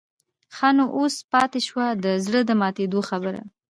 ښه نو اوس پاتې شوه د زړه د ماتېدو خبره.